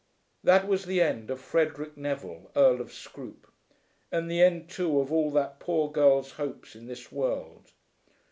That was the end of Frederic Neville, Earl of Scroope, and the end, too, of all that poor girl's hopes in this world.